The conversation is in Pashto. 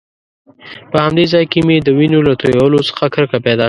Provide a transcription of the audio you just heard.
په همدې ځای کې مې د وینو له تويولو څخه کرکه پیدا شوه.